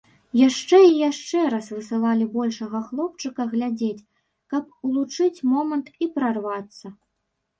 Яшчэ і яшчэ раз высылалі большага хлопчыка глядзець, каб улучыць момант і прарвацца.